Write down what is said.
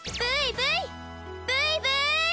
ブイブイ！